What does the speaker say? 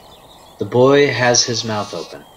The boy has his mouth open